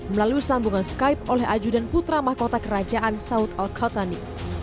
melalui sambungan skype oleh ajudan putra mahkota kerajaan saud al qatani